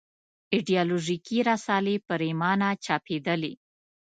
ایدیالوژیکې رسالې پرېمانه چاپېدلې.